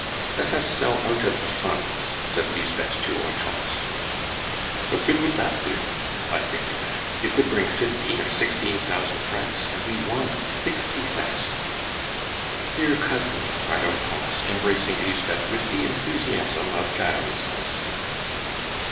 "Let us sell out of the funds!" said Lisbeth to Hortense. "What good would that do?" replied Victorin. "It would bring fifteen or sixteen thousand francs, and we want sixty thousand." "Dear cousin!" cried Hortense, embracing Lisbeth with the enthusiasm of guilelessness.